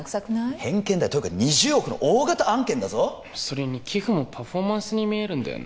偏見だよというか２０億の大型案件だぞそれに寄付もパフォーマンスに見えるんだよな